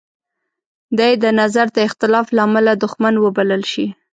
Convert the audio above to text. دی د نظر د اختلاف لامله دوښمن وبلل شي.